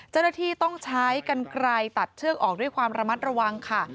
เจ้าหน้าที่ต้องใช้กันไกลตัดเชือกออกด้วยความระมัดระวังค่ะ